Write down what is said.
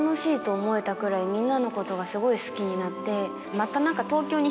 また何か。